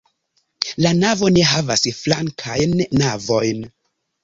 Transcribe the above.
La navo ne havas flankajn navojn.